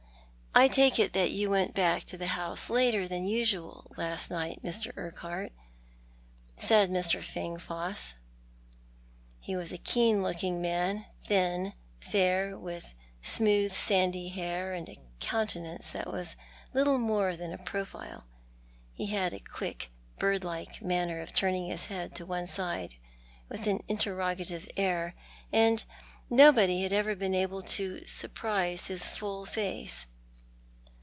" I take it that you went back to the house later than usual last night, Mr. Urq, uhart ?" said Mr. Fangfoss. He was a keen looking man, thin, fair, with smooth, sandy hair, and a countenance that was little more than a profile. He had a quick, bird like manner of turning his head to one side with an interrogative air, and nobody had ever been able to surprise his full face.